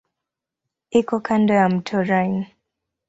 Iko kando ya mto Rhine.